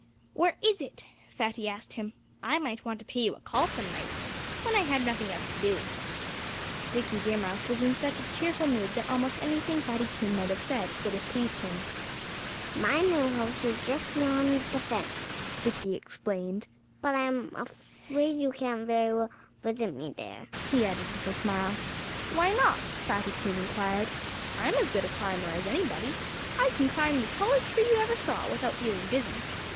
"Where is it!" Fatty asked him. "I might want to pay you a call some night when I had nothing else to do." Dickie Deer Mouse was in such a cheerful mood that almost anything Fatty Coon might have said would have pleased him. "My new house is just beyond the fence," Dickie explained. "But I'm afraid you can't very well visit me there," he added with a smile. "Why not?" Fatty Coon inquired. "I'm as good a climber as anybody. I can climb the tallest tree you ever saw, without feeling dizzy.